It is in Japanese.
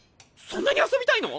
そんなに遊びたいの？